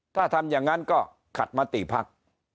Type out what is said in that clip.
ถ้าทำอย่างนั้นก็ขัดมาติว่า